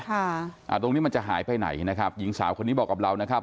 อ่าตรงนี้มันจะหายไปไหนนะครับหญิงสาวคนนี้บอกกับเรานะครับ